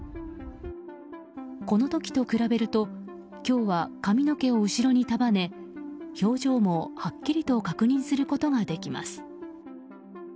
この時と比べると今日は髪の毛を後ろに束ね表情も、はっきりと確認することができます。